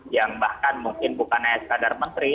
yang bahkan mungkin bukan hanya sekadar menteri